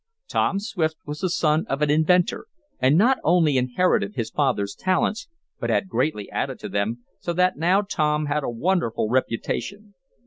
Tom Swift was the son of an inventor, and not only inherited his father's talents, but had greatly added to them, so that now Tom had a wonderful reputation.